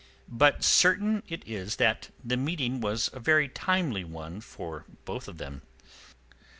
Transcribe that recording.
But certain it is that the meeting was a very timely one for both of them.